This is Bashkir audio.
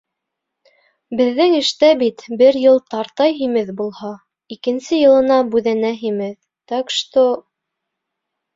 Беҙҙең эштә бит бер йыл тартай һимеҙ булһа, икенсе йылына бүҙәнә һимеҙ, так что...